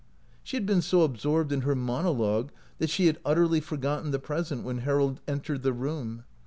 She had been so absorbed in her mono logue that she had utterly forgotten the present when Harold entered the room.